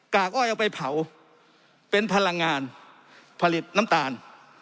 อ้อยเอาไปเผาเป็นพลังงานผลิตน้ำตาล